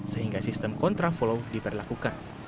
sehingga sistem kontra follow diperlakukan